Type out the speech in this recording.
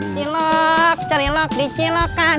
cilok cari lok di cilokan